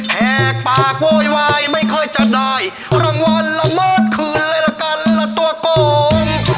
แพกปากโว้ยวายไม่ค่อยจะได้รางวัลละหมดคืนละกันละตัวกง